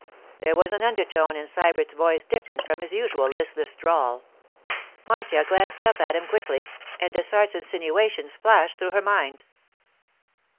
There was an undertone in Sybert's voice different from his usual listless drawl. Marcia glanced up at him quickly and Dessart's insinuations flashed through her mind.